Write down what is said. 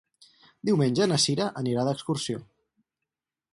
Diumenge na Sira anirà d'excursió.